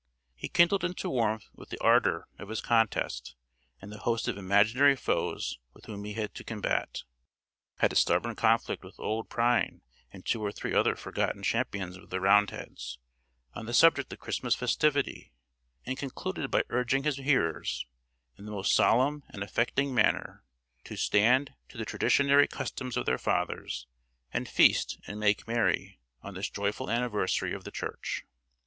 He kindled into warmth with the ardour of his contest, and the host of imaginary foes with whom he had to combat; had a stubborn conflict with old Prynne and two or three other forgotten champions of the Roundheads, on the subject of Christmas festivity; and concluded by urging his hearers, in the most solemn and affecting manner, to stand to the traditionary customs of their fathers, and feast and make merry on this joyful anniversary of the Church.